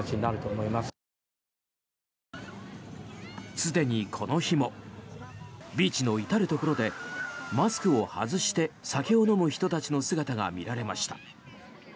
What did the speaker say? すでにこの日もビーチの至るところでマスクを外して酒を飲む人たちの姿が見られました。